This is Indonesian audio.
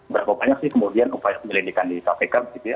berapa banyak sih kemudian upaya penyelidikan di kpk begitu ya